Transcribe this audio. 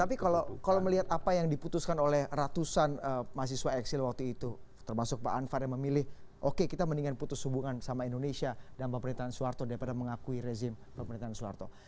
tapi kalau melihat apa yang diputuskan oleh ratusan mahasiswa eksil waktu itu termasuk pak anwar yang memilih oke kita mendingan putus hubungan sama indonesia dan pemerintahan soeharto daripada mengakui rezim pemerintahan soeharto